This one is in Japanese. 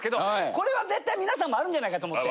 これは絶対皆さんもあるんじゃないかと思って。